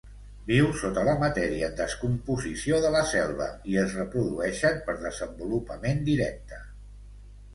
Viu sota la matèria en descomposició de la selva i es reprodueixen per desenvolupament directe.